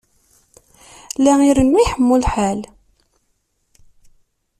La irennu iḥemmu lḥal.